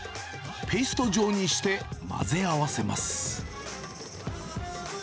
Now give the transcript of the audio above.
ペースト状にして混ぜ合わせます。